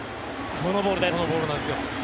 このボールなんですよ。